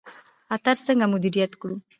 خطر څنګه مدیریت کړو؟